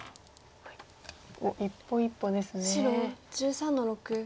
おっ一歩一歩ですね。